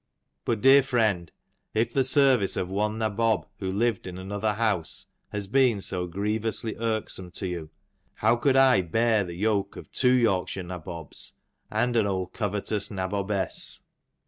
But dear friend, if the service of one Nabob who lived in another house has been so grievously irksome to you, how could I bear the yoke of two Yorkshire Nabobs, and an old covetous Nabobess?